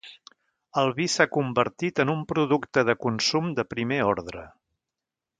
El vi s'ha convertit en un producte de consum de primer ordre.